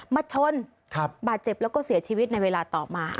มาชนบาดเจ็บแล้วก็เสียชีวิตในเวลาต่อมา